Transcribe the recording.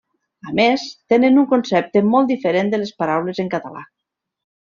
A més, tenen un concepte molt diferent de les paraules en català.